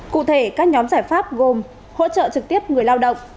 cụ thể các nhóm giải pháp gồm hỗ trợ trực tiếp người lao động